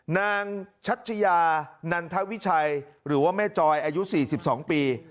นางชัชยานันทวิชัยหรือว่าแม่จอยอายุ๔๒ปี